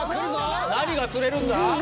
何が釣れるんだ？